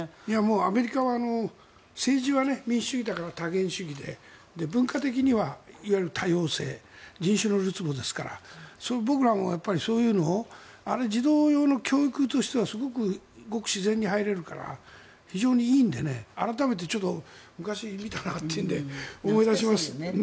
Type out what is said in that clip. アメリカは政治は民主主義だから多元主義で文化的にはいわゆる多様性人種のるつぼですから僕らもそういうのを児童用の教育としてはごく自然に入れるから非常にいいので改めて昔、見たなというので思い出します。